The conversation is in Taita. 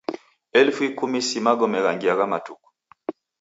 Elfu ikumi si magome ghangi agha matuku!